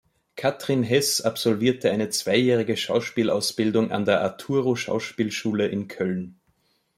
Katrin Heß absolvierte eine zweijährige Schauspielausbildung an der Arturo Schauspielschule in Köln.